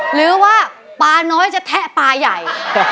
หรือว่าปลาน้อยจะแทะปลาใหญ่